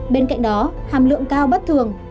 bên cạnh đó hàm lượng cao bất thường